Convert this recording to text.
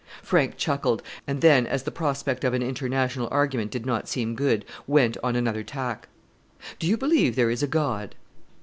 Frank chuckled; and then, as the prospect of an international argument did not seem good, went on another tack. "Do you believe there is a God?"